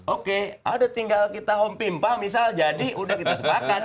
oke ada tinggal kita home pimpa misal jadi udah kita sepakan